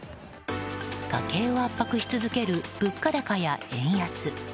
家計を圧迫し続ける物価高や円安。